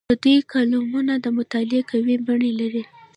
د دوی کالمونه د مطالعې قوي بڼې لري.